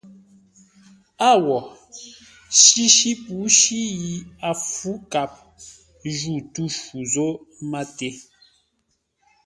Â wo! Shíshí pǔshí yi a fǔ kap jǔ tû shû zô máté.